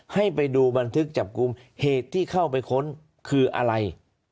ให้ไปดูบันทึกจับกลุ่มเหตุที่เข้าไปค้นคืออะไร